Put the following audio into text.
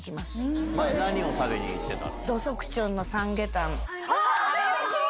何を食べに行ってたの？